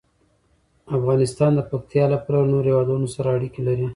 افغانستان د پکتیا له پلوه له نورو هېوادونو سره اړیکې لري.